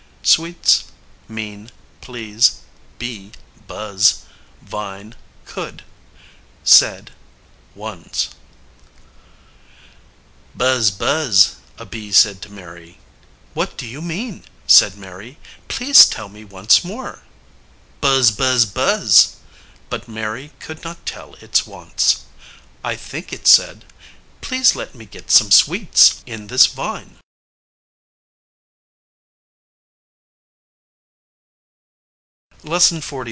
sweets mean please bee buzz vine could said (sed) once (wuns) [Illustration: Bee flying near vine.] "Buzz! buzz!" a bee said to Mary. "What do you mean?" said Mary. "Please tell me once more." "Buzz! buzz! buzz!" but Mary could not tell its wants. I think it said, "Please let me get some sweets in this vine.